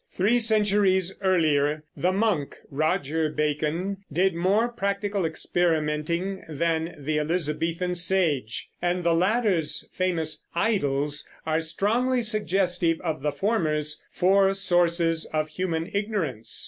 Three centuries earlier the monk Roger Bacon did more practical experimenting than the Elizabethan sage; and the latter's famous "idols" are strongly suggestive of the former's "Four Sources of Human Ignorance."